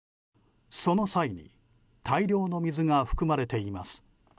その際に大量の水が含まれています。